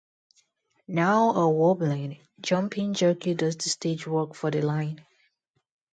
Now a wobbling, jumping jerky does the stage work for the line.